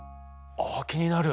あ気になる。